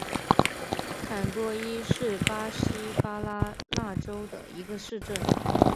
坎多伊是巴西巴拉那州的一个市镇。